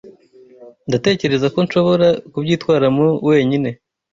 Ndatekereza ko nshobora kubyitwaramo wenyine.